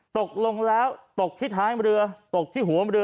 ตกลงแล้วตกที่ท้ายเรือตกที่หัวเรือ